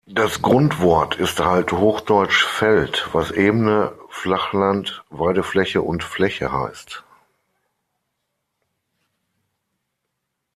Das Grundwort ist althochdeutsch "felt", was Ebene, Flachland, Weidefläche und Fläche heißt.